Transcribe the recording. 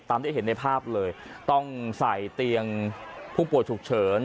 ได้เห็นในภาพเลยต้องใส่เตียงผู้ป่วยฉุกเฉิน